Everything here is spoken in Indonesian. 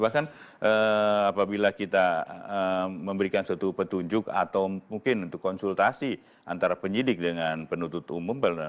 bahkan apabila kita memberikan suatu petunjuk atau mungkin untuk konsultasi antara penyidik dengan penuntut umum